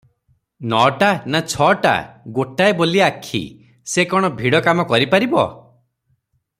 ନଅଟା ନା ଛଅଟା! ଗୋଟାଏ ବୋଲି ଆଖି, ସେ କଣ ଭିଡ଼ କାମ କରିପାରିବ?